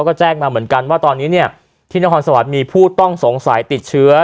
ก็แจ้งมาเหมือนกันว่าตอนนี้เนี่ยที่นครสวรรค์มีผู้ต้องสงสัยติดเชื้อ